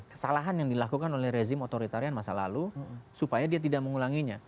pindah ke rezim otoritarian yang dilakukan oleh rezim otoritarian masa lalu supaya dia tidak mengulanginya